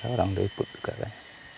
orang itu ikut juga kan